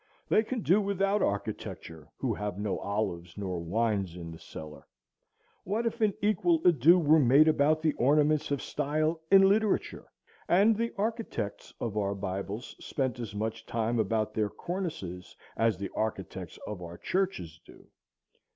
They can do without architecture who have no olives nor wines in the cellar. What if an equal ado were made about the ornaments of style in literature, and the architects of our bibles spent as much time about their cornices as the architects of our churches do?